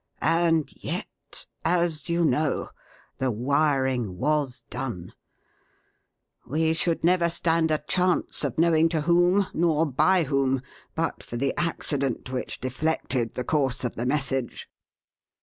And yet, as you know, the 'wiring' was done we should never stand a chance of knowing to whom, nor by whom, but for the accident which deflected the course of the message."